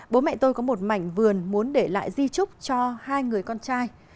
bố mẹ tôi có một mảnh vườn muốn để lại di trúc cho hai người con trai